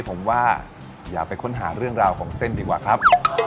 ผมว่าอย่าไปค้นหาเรื่องราวของเส้นดีกว่าครับ